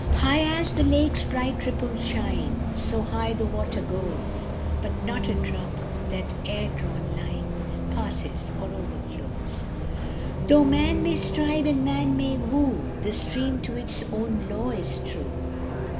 High as the lake s bright ripples shine, So high the water goes, But not a drop that air drawn line Passes or overflows ; Though man may strive and man may woo, The stream to its own law is true.